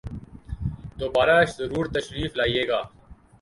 دوبارہ ضرور تشریف لائیئے گا